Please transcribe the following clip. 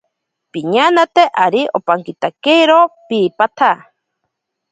Piñanate ari ompankitakiro piipatsa.